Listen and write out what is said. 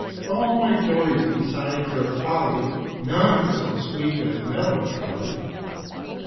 All my joys besides are folly, None so sweet as melancholy.